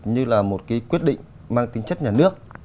như là một cái quyết định mang tính chất nhà nước